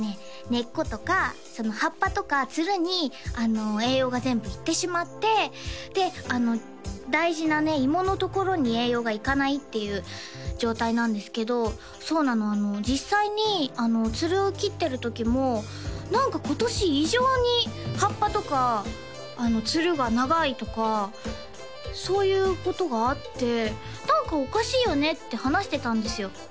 根っことか葉っぱとかつるに栄養が全部いってしまってで大事なね芋のところに栄養がいかないっていう状態なんですけどそうなの実際につるを切ってる時も何か今年異常に葉っぱとかつるが長いとかそういうことがあって何かおかしいよねって話してたんですよ